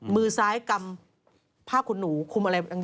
มือซ้ายกำผ้าขุนหนูคุมอะไร